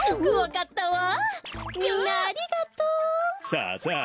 さあさあ